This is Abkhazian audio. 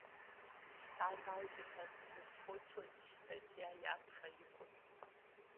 Шьҭа далгеит ҳәа дзызхәыцуаз истатиа иаԥхьа иқәын.